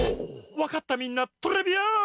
わかったみんなトレビアーン！